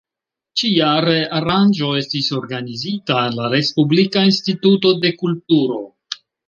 Ĉi-jare aranĝo estis organizita en la Respublika instituto de kulturo.